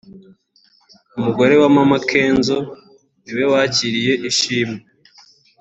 umugore we Mama Kenzo ni we wakiriye ishimwe